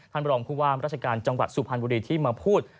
บรองผู้ว่ามราชการจังหวัดสุพรรณบุรีที่มาพูด